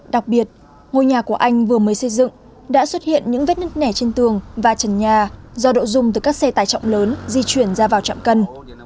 đặc biệt ngôi nhà của anh vừa mới xây dựng đã xuất hiện những vết nứt nẻ trên tường và trần nhà do độ dùng từ các xe tải trọng lớn di chuyển ra vào trạm cân